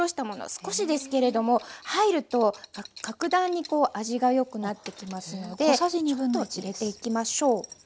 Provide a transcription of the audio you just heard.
少しですけれども入ると格段にこう味がよくなってきますのでちょっと入れていきましょう。